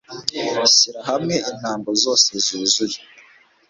Shyira hamwe intango zosez uzuye